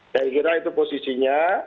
saya kira itu posisinya